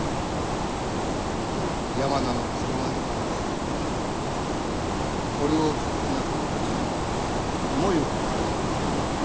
ヤマナの車にはこれを造る仲間たちの思いを感じる。